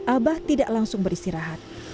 abah tidak langsung beristirahat